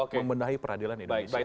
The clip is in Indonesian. membenahi peradilan indonesia